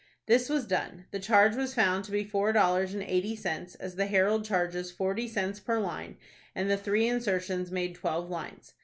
This was done. The charge was found to be four dollars and eighty cents, as the "Herald" charges forty cents per line, and the three insertions made twelve lines.